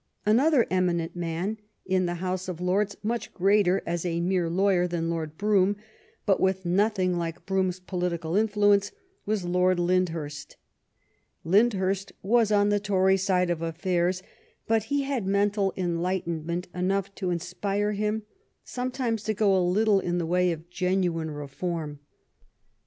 Another eminent man in the House of Lords, much greater as a mere lawyer than Lord Brougham, but with nothing like ^oed lvnukurst Brougham's political influence, was Lord Lyndhurst. Lyndhufst was on the Tory side of affairs, but he had mental enlightenment enough to inspire him sometimes to go a little in the way of genuine ^ll 36 THE STORY OF GLADSTONE'S LIFE reform.